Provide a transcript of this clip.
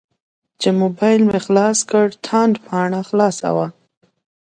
چې موبایل مې خلاص کړ تاند پاڼه خلاصه وه.